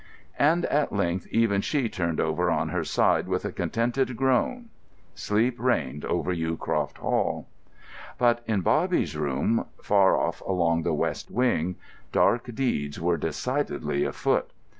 And at length even she turned over on her side with a contented groan. Sleep reigned over Yewcroft Hall. But in Bobby's room, far off along the west wing, dark deeds were decidedly afoot.